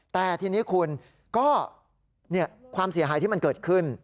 แต่ทีนี้คุณก็ความเสียหายที่มันเกิดขึ้น